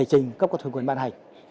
hình cấp cấp thuận quyền bản hành